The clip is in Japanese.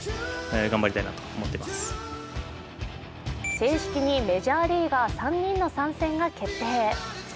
正式にメジャーリーガー３人の参戦が決定。